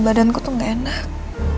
badanku tuh gak enak